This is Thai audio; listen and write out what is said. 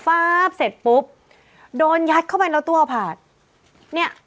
ฟ้าบเสร็จปุ๊บโดนยัดเข้าไปแล้วตัวผ่านเนี่ย